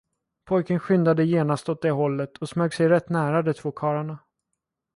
Pojken skyndade genast åt det hållet och smög sig rätt nära de två karlarna.